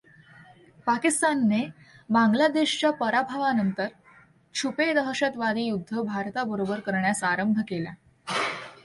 पाकिस्तानने बांगलादेशच्या पराभवानंतर छुपे दहशतवादी युद्ध भारताबरोबर करण्यास आरंभ केला.